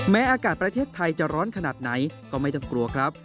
อากาศประเทศไทยจะร้อนขนาดไหนก็ไม่ต้องกลัวครับ